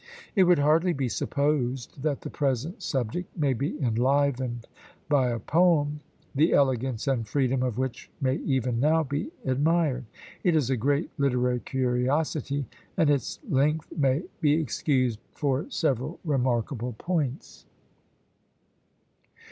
It would hardly be supposed that the present subject may be enlivened by a poem, the elegance and freedom of which may even now be admired. It is a great literary curiosity, and its length may be excused for several remarkable points.